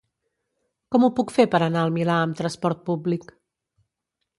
Com ho puc fer per anar al Milà amb trasport públic?